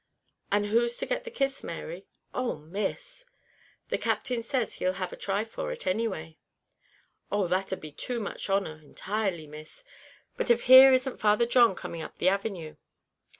"And who's to get the kiss, Mary?" "Oh, Miss!" "The Captain says he'll have a try for it anyway." "Oh that'd be too much honor intirely, Miss. But av here isn't Father John coming up the avenue!"